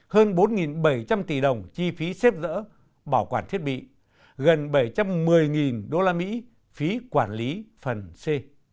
hơn bốn bảy trăm linh tỷ đồng chi phí xếp dỡ bảo quản thiết bị gần bảy trăm một mươi đô la mỹ phí quản lý phần c